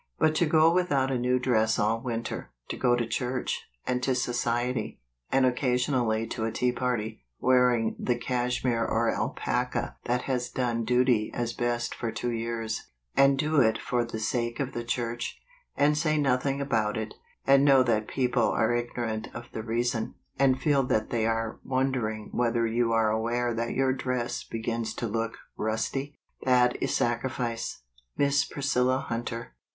" But to go without a new dress all winter — to go to church, and to society, and occasionally to a tea party, wear¬ ing the cashmere or alpaca that has done duty as best for two years, and do it for the sake of the church, and say nothing about it, and know that people are ignorant of the reason, and feel that they are wondering whether vou are aware that your dress be gins to look "rusty" — that is sacrifice. Miss Priscilla Hunter.